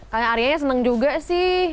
karena arianya seneng juga sih